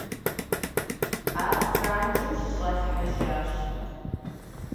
Ар Франджым щыщӀалъхьэжащ.